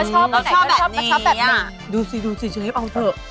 ก็ชอบแบบนี้ดูสิเชฟเอาเถอะ